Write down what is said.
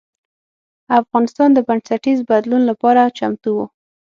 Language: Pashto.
افغانستان د بنسټیز بدلون لپاره چمتو و.